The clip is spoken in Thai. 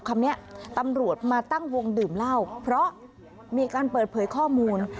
คำนี้ตำรวจมาตั้งวงดื่มเหล้าเพราะมีการเปิดเผยข้อมูล